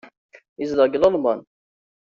Yezdeɣ deg Lalman.